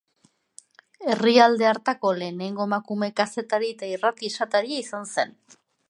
Herrialde hartako lehenengo emakume kazetari eta irrati-esataria izan zen.